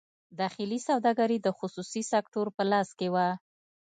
داخلي سوداګري د خصوصي سکتور په لاس کې وه.